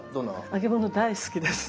揚げ物大好きです。